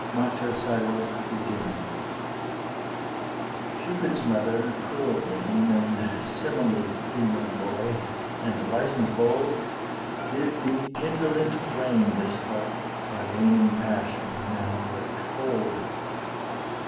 MATER SAEVA CUPIDINUM Cupid's mother, cruel dame, And Semele's Theban boy, and Licence bold, Bid me kindle into flame This heart, by waning passion now left cold.